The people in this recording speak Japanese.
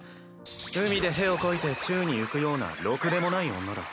海で屁をこいて宙に浮くようなろくでもない女だ。